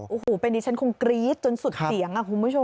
โอ้โหเป็นดิฉันคงกรี๊ดจนสุดเสียงคุณผู้ชม